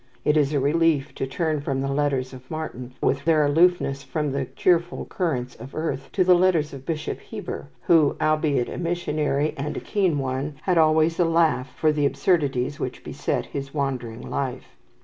It is a relief to turn from the letters of Martyn, with their aloofness from the cheerful currents of earth, to the letters of Bishop Heber, who, albeit a missionary and a keen one, had always a laugh for the absurdities which beset his wandering life.